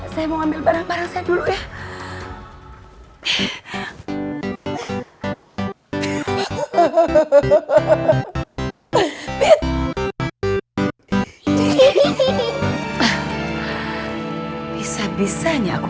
siapa yang usir mama